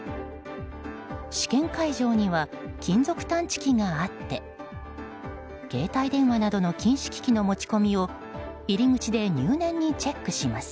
試験会場には金属探知機があって携帯電話などの禁止機器の持ち込みを入り口で入念にチェックします。